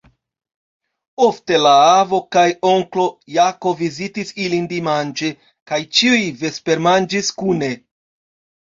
Ofte la avo kaj onklo Jako vizitis ilin dimanĉe kaj ĉiuj vespermanĝis kune.